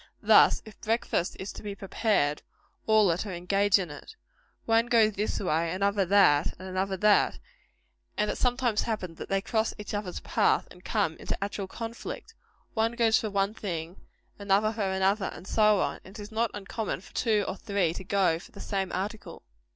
Thus, if breakfast is to be prepared, all are to engage in it. One goes this way, another that, and another that; and it sometimes happens that they cross each other's path and come into actual conflict. One goes for one thing, another for another, and so on; and it is not uncommon for two or three to go for the same article.